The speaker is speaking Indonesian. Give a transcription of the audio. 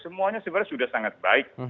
semuanya sebenarnya sudah sangat baik